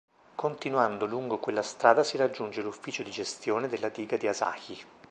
Continuando lungo quella strada si raggiunge l'ufficio di gestione della diga di Asahi.